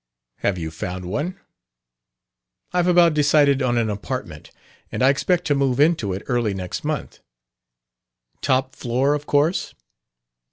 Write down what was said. "Have you found one?" "I've about decided on an apartment. And I expect to move into it early next month." "Top floor, of course?"